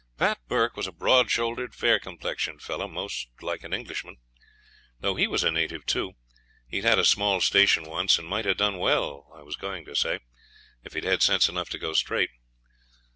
Pat Burke was a broad shouldered, fair complexioned fellow, most like an Englishman, though he was a native too. He'd had a small station once, and might have done well (I was going to say) if he'd had sense enough to go straight.